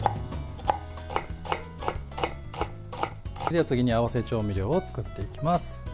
では次に合わせ調味料を作っていきます。